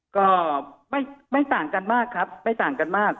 ก็ไม่ต่างกันมากครับไม่ต่างกันมาก